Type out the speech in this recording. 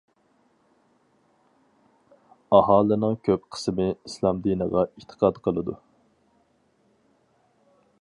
ئاھالىنىڭ كۆپ قىسمى ئىسلام دىنىغا ئېتىقاد قىلىدۇ.